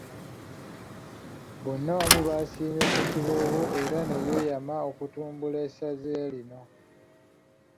Bonna wamu basiimye Ssekiboobo era ne yeeyama okutumbula essaza lino.